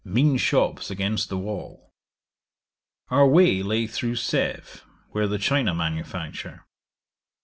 Mean shops against the wall. Our way lay through Sêve, where the China manufacture.